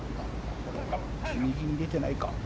右に出てないか。